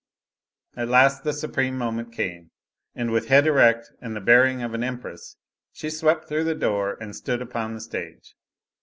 At last the supreme moment came, and with head erect and the bearing of an empress she swept through the door and stood upon the stage.